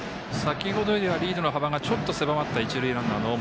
先ほどよりはリードの幅がちょっと狭まった一塁ランナーの大森。